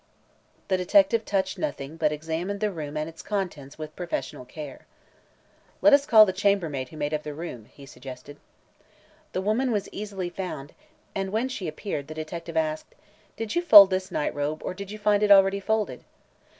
The detective touched nothing but examined the room and its contents with professional care. "Let us call the chambermaid who made up the room," he suggested. The woman was easily found and when she appeared the detective asked: "Did you fold this nightrobe, or did you find it already folded?"